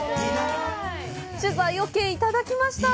取材オーケーいただきました！